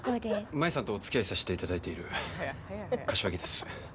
舞さんとおつきあいさしていただいてる柏木です。